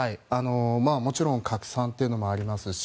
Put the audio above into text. もちろん拡散というのもありますし